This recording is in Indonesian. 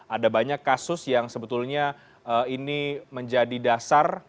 ada banyak kasus yang sebetulnya ini menjadi dasar